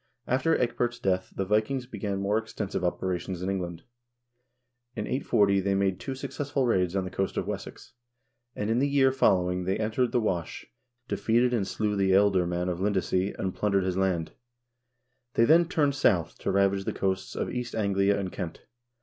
After Ecgbert's death the Vikings began more extensive operations in England. In 840 they made two successful raids on the coast of Wessex, and in the year following they entered the Wash, defeated and slew the ealdorman of Lindesey and plundered his land. They then turned south to ravage the coasts of East Anglia and Kent.